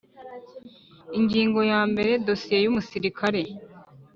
Ingingo ya mbere Dosiye y umusirikare